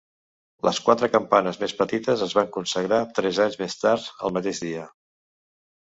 Les quatre campanes més petites es van consagrar tres anys més tard el mateix dia.